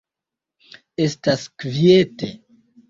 Estas kviete.